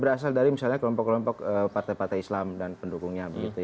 berasal dari misalnya kelompok kelompok partai partai islam dan pendukungnya